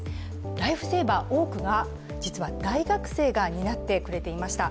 ライフセーバー、多くが大学生が担ってくれていました。